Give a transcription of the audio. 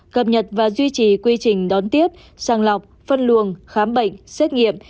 gập nhật và duy trì quy trình đón tiếp sàng lọc phân luồng khám bệnh xét nghiệm